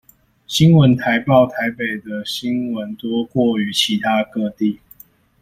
新聞台報台北的新聞多過於其他各地